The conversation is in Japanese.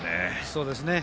そうですね。